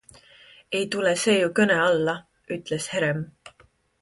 "Ei tule see ju ka kõne alla," ütles Herem.